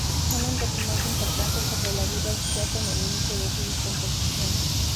Son un documento importante sobre la vida austriaca en el inicio de su descomposición.